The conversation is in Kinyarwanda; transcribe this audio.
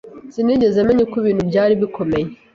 Sinigeze menya uko ibintu byari bikomeye.